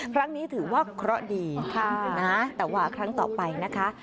ครั้งนี้ถือว่าเคราะห์ดีนะแต่ว่าครั้งต่อไปนะคะ